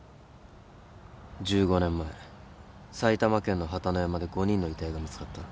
１５年前埼玉県の榛野山で５人の遺体が見つかった。